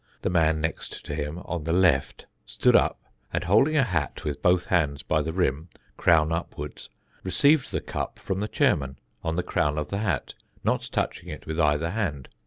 The man next to him on the left stood up, and holding a hat with both hands by the brim, crown upwards, received the cup from the chairman, on the crown of the hat, not touching it with either hand.